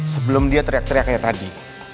sebelum dia teriak teriak kayak tadi